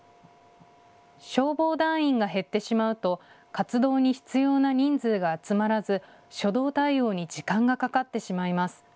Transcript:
消防団員が減ってしまうと活動に必要な人数が集まらず初動対応に時間がかかってしまいます。